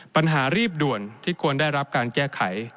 ปัญหารีบด่วนที่ควรได้รับการแก้ไข